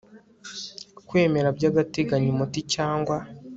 kwemera by agateganyo umuti cyangwa